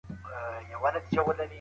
د بیوزلۍ د کمولو لپاره اړین دي.